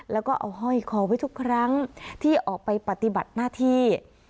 แล้วก็เอาห้อยคอไว้ทุกครั้งที่ออกไปปฏิบัติหน้าที่